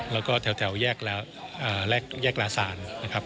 แล้วก็แถวแยกลาสาน